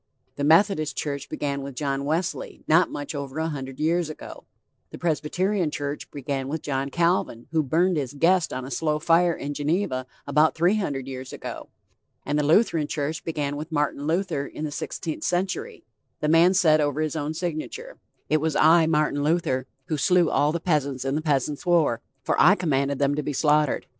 The Methodist church began with John Wesley not much over a hundred years ago; the Presbyterian church began with John Calvin who burned his guest on a slow fire in Geneva about three hundred years ago; and the Lutheran church began with Martin Luther in the sixteenth century, the man who said over his own signature: "It was I, Martin Luther, who slew all the peasants in the Peasants War, for I commanded them to be slaughtered....